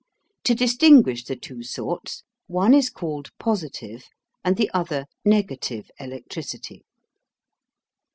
To distinguish the two sorts, one is called POSITIVE and the other NEGATIVE electricity.